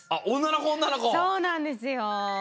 そうなんですよ。